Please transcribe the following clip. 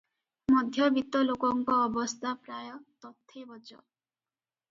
ମଧ୍ୟବିତ୍ତ ଲୋକଙ୍କ ଅବସ୍ଥା ପ୍ରାୟ ତଥୈବଚ ।